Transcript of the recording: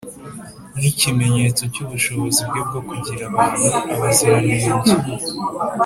nk’ikimenyetso cy’ubushobozi bwe bwo kugira abantu abaziranenge,